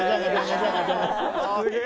すげえ。